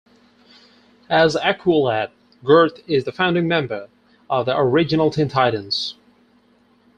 As Aqualad, Garth is a founding member of the original Teen Titans.